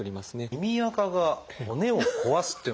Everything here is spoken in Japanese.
耳あかが骨を壊すっていう